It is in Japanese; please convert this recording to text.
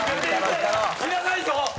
知らないぞ！